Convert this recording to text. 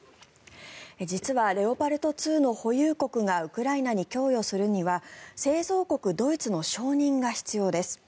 実は、レオパルト２の保有国がウクライナに供与するには製造国ドイツの承認が必要です。